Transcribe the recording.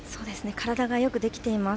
体がよくできています。